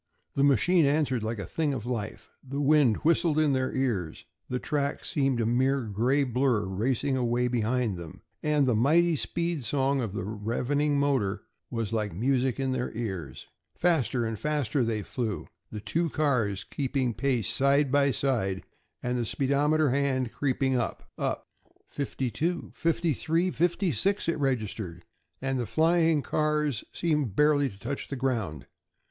The machine answered like a thing of life. The wind whistled in their ears, the track seemed a mere gray blur racing away behind them, and the mighty speed song of the ravening motor was like music in their ears. Faster and faster they flew, the two cars keeping pace side by side, and the speedometer hand creeping up up. Fifty two, fifty three, fifty six! it registered, and the flying cars seemed barely to touch the ground.